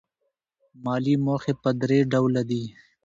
مالي موخې په درې ډوله دي.